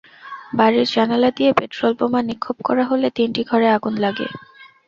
বাড়ির জানালা দিয়ে পেট্রলবোমা নিক্ষেপ করা হলে তিনটি ঘরে আগুন লাগে।